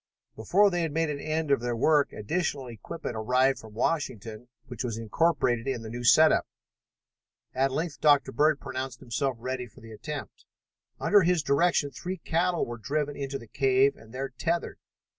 Before they had made an end of the work additional equipment arrived from Washington, which was incorporated in the new set up. At length Dr. Bird pronounced himself ready for the attempt. Under his direction, three cattle were driven into the cave and there tethered.